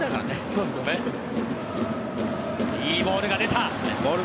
いいボールが出た。